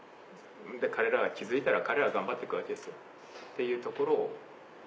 彼らが気付いたら彼らは頑張って行くわけですよ。っていうところを。